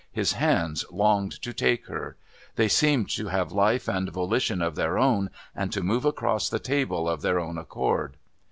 His hands longed to take her! They seemed to have life and volition of their own and to move across the table of their own accord.